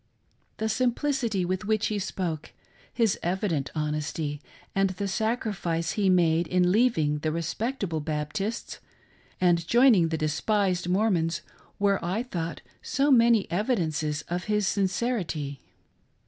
The simplicity with which he spoke, his evident honesty, and the sacrifice he had made in leaving the respectable Baptists and joining the despised Mormons, were, I thought, so many evidences of his sincerity.